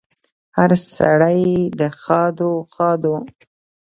هره سړی په ښادو، ښادو